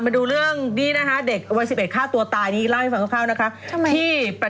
มาดูเรื่องเด็กวัน๑๑ฆ่าตัวตายล่างให้ฟังเข้านะคะ